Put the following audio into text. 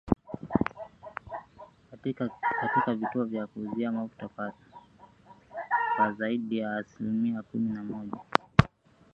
katika vituo vya kuuzia mafuta kwa zaidi ya asilimia kumi na moja